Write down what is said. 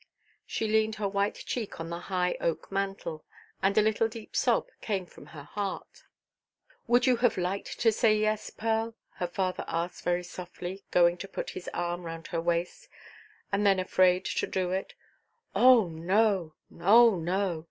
She leaned her white cheek on the high oak mantel, and a little deep sob came from her heart. "Would you have liked to say 'Yes,' Pearl?" her father asked very softly, going to put his arm round her waist, and then afraid to do it. "Oh no! oh no!